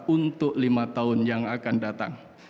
untuk lima tahun yang akan datang